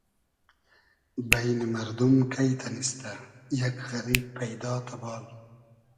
بݷنی مئردوم کݷ تئنیستۂ یئگ غئریب پݷدا تئبال